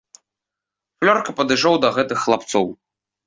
Флёрка падышоў да гэтых хлапцоў.